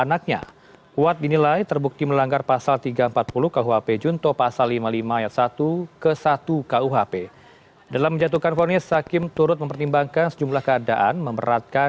atas tindak pidana pembunuhan yosua